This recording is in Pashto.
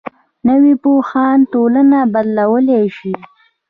نوی پوهاند ټولنه بدلولی شي